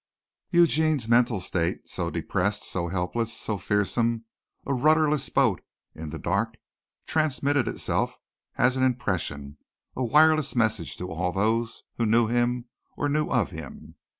Eugene's mental state, so depressed, so helpless, so fearsome a rudderless boat in the dark, transmitted itself as an impression, a wireless message to all those who knew him or knew of him.